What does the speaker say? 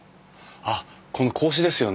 あっこの格子ですよね。